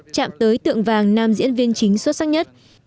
chạm tới tượng vàng nam diễn viên chính xuất sắc nhất